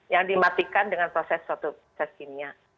yang dimatikan dengan proses satu tes kimia